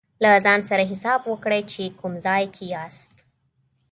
له ځان سره حساب وکړئ چې کوم ځای کې یاست.